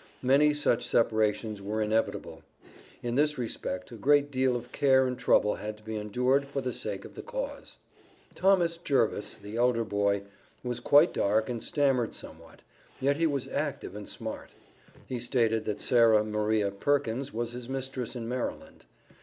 Many such separations were inevitable. In this respect a great deal of care and trouble had to be endured for the sake of the cause. Thomas Jervis, the elder boy, was quite dark, and stammered somewhat, yet he was active and smart. He stated that Sarah Maria Perkins was his mistress in Maryland.